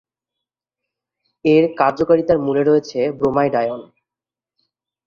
এর কার্যকারিতার মূলে রয়েছে ব্রোমাইড আয়ন।